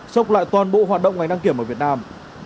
sốc lại toàn bộ hoạt động ngành đăng kiểm ở việt nam